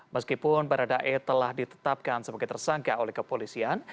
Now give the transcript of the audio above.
meskipun baradae telah ditetapkan sebagai tersangka oleh kepolisian